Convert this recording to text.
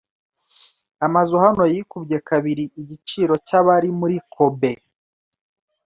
Amazu hano yikubye kabiri igiciro cyabari muri Kobe.